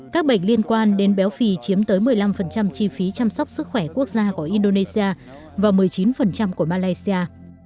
các bệnh liên quan đến béo phì chiếm tới một mươi năm chi phí chăm sóc sức khỏe quốc gia của indonesia và một mươi chín của malaysia